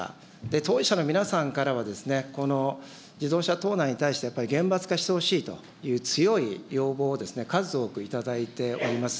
当事者の皆さんからは、この自動車盗難に対して厳罰化してほしいという強い要望を数多く頂いております。